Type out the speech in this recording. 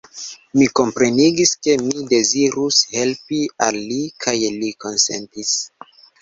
Mi komprenigis, ke mi dezirus helpi al li kaj li konsentis.